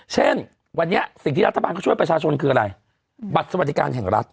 เช่นวันนี้สิ่งที่รัฐบาลเขาช่วยประชาชนคืออะไรบัตรสวัสดิการแห่งรัฐ